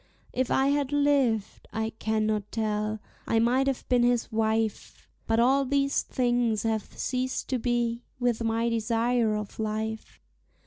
If I had lived I cannot tell I might have been his wife; But all these things have ceased to be, with my desire of life.